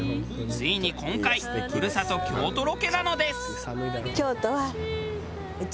ついに今回故郷京都ロケなのです。